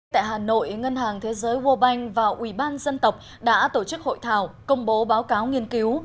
tại hà nội ngân hàng thế giới world bank và ubnd đã tổ chức hội thảo công bố báo cáo nghiên cứu